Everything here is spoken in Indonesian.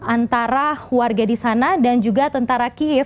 antara warga di sana dan juga tentara kiev